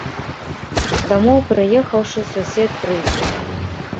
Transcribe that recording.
Дамоў прыехаўшы, сусед прыйдзе.